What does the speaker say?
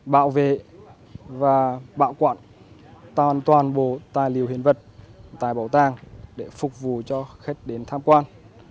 bảo vệ và bảo quản toàn bộ tài liệu hiện vật tại bảo tàng để phục vụ cho khách đến tham quan